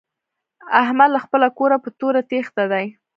احمد له خپله کوره په توره تېښته دی.